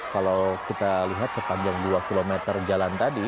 kalau kita lihat sepanjang dua km jalan tadi